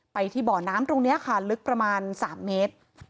ไปที่บ่อน้ำตรงนี้ค่ะลึกประมาณ๓เมตร